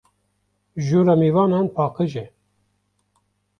Jûra mêvanan paqij e.